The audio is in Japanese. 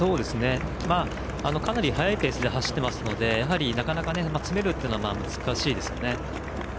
かなり速いペースで走っているのでなかなか詰めるのは難しいですよね。